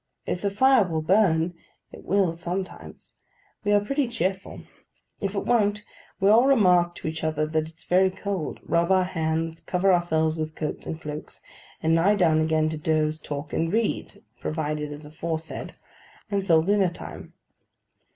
If the fire will burn (it will sometimes) we are pretty cheerful. If it won't, we all remark to each other that it's very cold, rub our hands, cover ourselves with coats and cloaks, and lie down again to doze, talk, and read (provided as aforesaid), until dinner time.